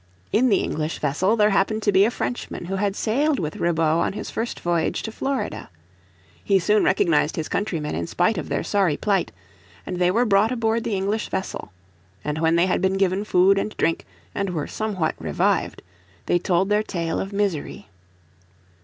In the English vessel there happened to be a Frenchman who had sailed with Ribaut on his first voyage to Florida. He soon recognised his countrymen in spite of their sorry plight, and they were brought aboard the English vessel. And when they had been given food and drink, and were somewhat revived, they told their tale of misery.